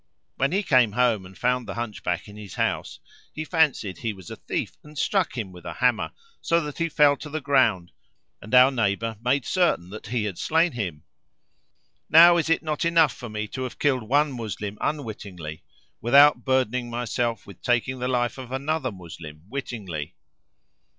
When he came home and found the Hunchback in his house, he fancied he was a thief and struck him with a hammer, so that he fell to the ground, and our neighbour made certain that he had slain him. Now is it not enough for me to have killed one Moslem unwittingly, without burdening myself with taking the life of another Moslem wittingly?"